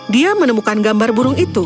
dia menemukan gambar burung itu